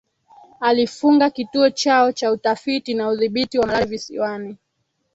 Alifunga kituo chao cha Utafiti na Udhibiti wa malaria Visiwani